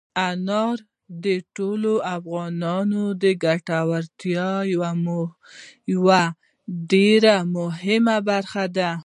انار د ټولو افغانانو د ګټورتیا یوه ډېره مهمه برخه ده.